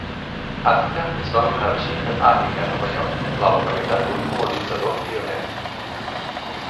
Attica es va anomenar així per Attica, Nova York, la localitat d'un colonitzador pioner.